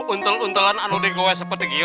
untel untelan anudin gue seperti kiyo